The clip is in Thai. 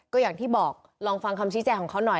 คุณแพ็คบอกลองฟังคำชี้แจของเขาหน่อย